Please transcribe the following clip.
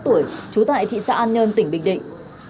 trú tại thị xã an nhơn tỉnh bình định